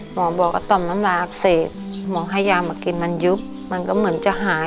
หมอบอกว่าต่อมน้ำลายอักเสบหมอให้ยามากินมันยุบมันก็เหมือนจะหาย